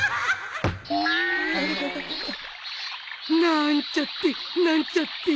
なんちゃってなんちゃって。